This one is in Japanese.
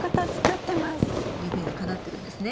夢がかなってるんですね。